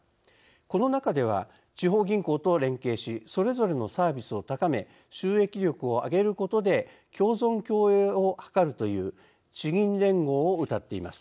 この中では地方銀行と連携しそれぞれのサービスを高め収益力を上げることで共存共栄を図るという地銀連合をうたっています。